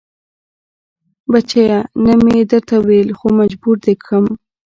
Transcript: بچيه نه مې درته ويل خو مجبور دې کم.